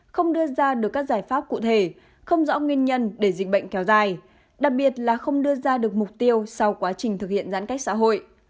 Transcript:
không đưa ra được các giải pháp cụ thể không rõ nguyên nhân để dịch bệnh kéo dài đặc biệt là không đưa ra được mục tiêu sau quá trình thực hiện giãn cách xã hội